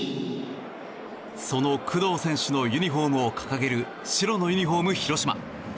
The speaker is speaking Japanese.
その工藤選手のユニホームを掲げる白のユニホーム広島。